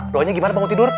doanya gimana bangun tidur